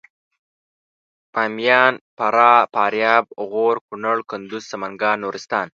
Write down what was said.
باميان فراه فاریاب غور کنړ کندوز سمنګان نورستان